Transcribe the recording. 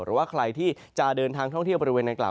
หรือว่าใครที่จะเดินทางท่องเที่ยวบริเวณดังกล่า